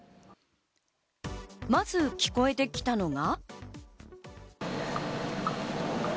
まず聞こえてきたのが。